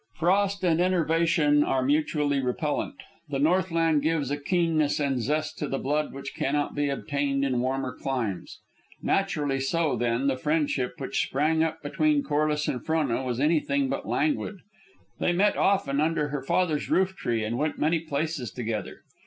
Frost and enervation are mutually repellant. The Northland gives a keenness and zest to the blood which cannot be obtained in warmer climes. Naturally so, then, the friendship which sprang up between Corliss and Frona was anything but languid. They met often under her father's roof tree, and went many places together.